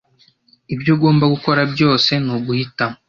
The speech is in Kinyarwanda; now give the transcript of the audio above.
Ibyo ugomba gukora byose ni uguhitamo.